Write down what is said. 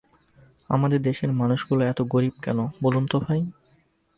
আমাদের দেশের মানুষগুলো এত গরিব কেন বলুন তো ভাই?